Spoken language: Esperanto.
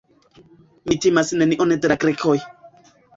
Mi timas nenion de la Grekoj.